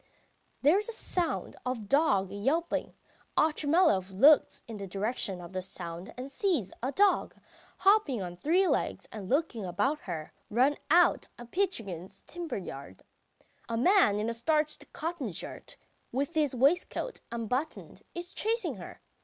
There is the sound of a dog yelping. Otchumyelov looks in the direction of the sound and sees a dog, hopping on three legs and looking about her, run out of Pitchugin's timber yard. A man in a starched cotton shirt, with his waistcoat unbuttoned, is chasing her.